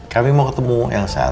kami mau ketemu elsa